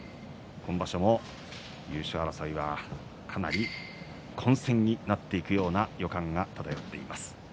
今場所も優勝争いは、かなり混戦になっていくような予感が漂っています。